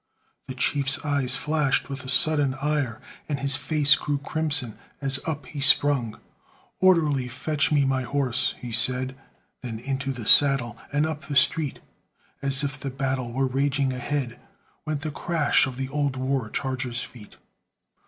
The chief's eye flashed with a sudden ire, And his face grew crimson as up he sprung. "Orderly, fetch me my horse," he said. Then into the saddle and up the street, As if the battle were raging ahead, Went the crash of the old war charger's feet.